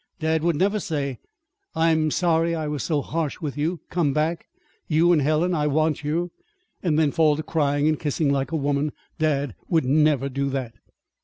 Dad would never say: "I'm sorry I was so harsh with you; come back you and Helen. I want you!" and then fall to crying and kissing like a woman. Dad would never do that.